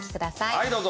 はいどうぞ。